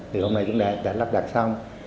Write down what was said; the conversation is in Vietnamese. từ hôm nay cũng đã lắp đặt xong